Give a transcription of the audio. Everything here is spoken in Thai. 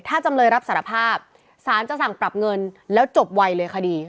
ถ้าจำเลยรับสารภาพสารจะสั่งปรับเงินแล้วจบไวเลยคดี